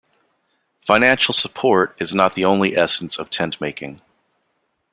Financial support is not the only essence of tentmaking.